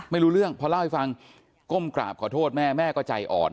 ไม่รู้เรื่องพอเล่าให้ฟังก้มกราบขอโทษแม่แม่ก็ใจอ่อน